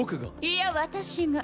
いや私が。